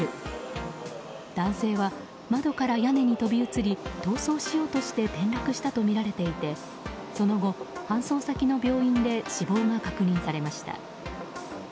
男性は窓から屋根に飛び移り逃走しようとして転落したとみられていてその後、搬送先の病院で死亡が確認されました。